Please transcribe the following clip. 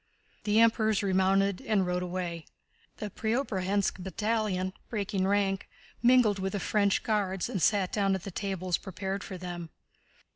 The Emperors remounted and rode away. The Preobrazhénsk battalion, breaking rank, mingled with the French Guards and sat down at the tables prepared for them.